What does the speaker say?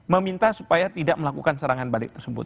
meminta supaya tidak melakukan serangan balik tersebut